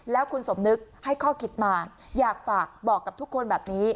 แล้วคุณสมนึกให้ข้อคิดมาอยากฝากบอกกับทุกคนแบบนี้